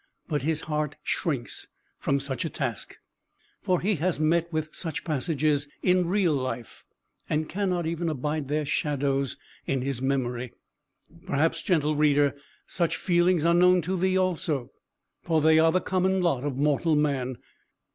But his heart shrinks from such a task, for he has met with such passages in real life, and cannot even abide their shadows in his memory. Perhaps, gentle reader, such feelings are known to thee also, for they are the common lot of mortal man.